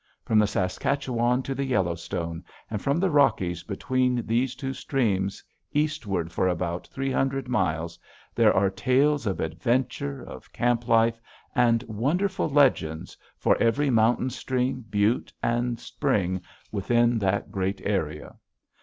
From the Saskatchewan to the Yellowstone, and from the Rockies between these two streams, eastward for about three hundred miles, there are tales of adventure, of camp life, and wonderful legends, for every mountain, stream, butte, and spring within that great area.